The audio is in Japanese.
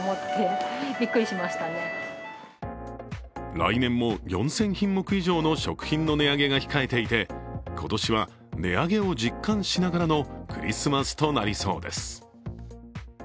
来年も４０００品目以上の食品の値上げが控えていて今年は値上げを実感しながらのクリスマスとなりそうです。